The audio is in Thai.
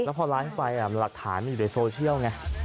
พอไลฟ์ไปหลักฐานมันอยู่ในโซเชียลไง